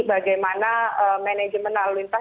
bagaimana manajemen lalu lintas